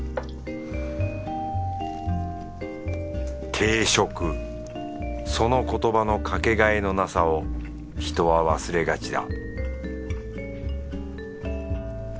定食その言葉のかけがえのなさを人は忘れがちだ